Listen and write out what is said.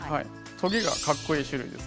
トゲがかっこいい種類です。